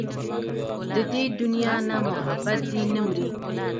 د دې دنيا نه محبت دې نه مري